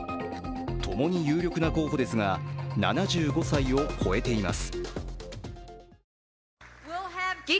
ともに有力な候補ですが、７５歳を超えています。